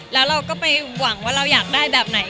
แล้วเราก็ไปหวังว่าเราอยากได้แบบไหน